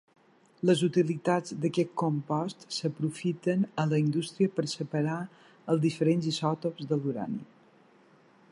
Les utilitats d'aquest compost s'aprofiten a la indústria per separar els diferents isòtops de l'urani.